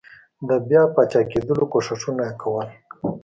د بیا پاچاکېدلو کوښښونه یې کول.